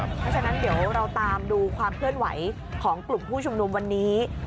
เพราะฉะนั้นเดี๋ยวเราตามดูความเคลื่อนไหวของกลุ่มผู้ชุมนุมวันนี้